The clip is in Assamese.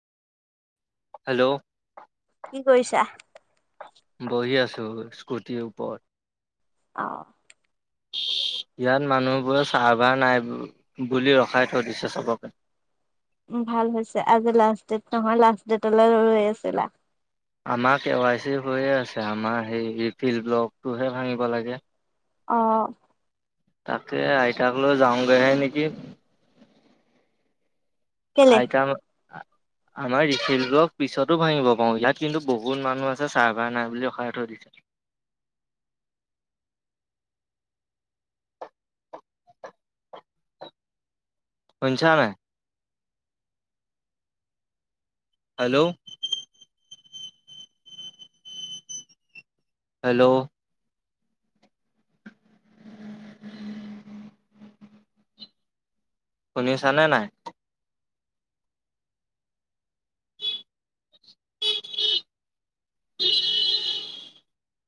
হেল্ল' কি কৰিছা? বহি আছো স্কুটিৰ ওপৰত। অ'। [unintelligible] ইয়াত মানুহবোৰে চাৰ্ভাৰ নাই বুলি ৰখাই থৈ দিছে চবকে। ভাল হৈছে আজি লাষ্ট ডেট নহয় লাষ্ট ডেটলৈ ৰৈ আছিলা। আমাৰ কে ৱাই চি হৈয়ে আছে আমাৰ হে ফিল্ড ব্লকটোহে ভাঙিব লাগে। আহ। তাকে আইতাক লৈ যাওঁগৈহে নেকি। কেলে? আইতা ম আমাৰ ৰিচেলটক পিছতো ভাঙিব পাৰো ইয়াত কিন্তু বহুত মানুহ আছে চাৰ্ভাৰ নাই বুলি ৰখাই থৈ দিছে। [inaudible] শুনিছা নে নাই? হেল্ল' হেল্ল' শুনিছানে নাই?